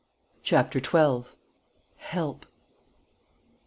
CHAPTER TWELVE "HELP!"